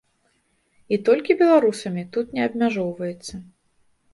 І толькі беларусамі тут не абмяжоўваецца.